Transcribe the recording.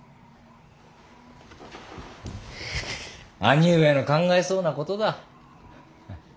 兄上の考えそうなことだ。